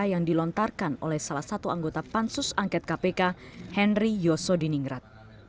yang dilontarkan oleh salah satu anggota pansus angket kpk henry yoso di ningrat